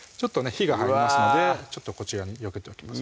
火が入りますのでちょっとこちらによけておきます